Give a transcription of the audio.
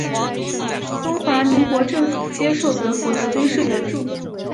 中华民国政府接受德国的军事援助。